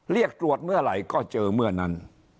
เรียกตรวจเมื่อไหร่ก็เจอเมื่อนั้น